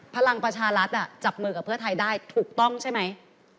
พลังประชารัฐจับมือกับเพื่อไทยได้ถูกต้องใช่ไหม